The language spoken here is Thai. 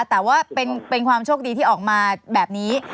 แต่ว่าเป็นความโชคดีที่ออกมาแบบนี้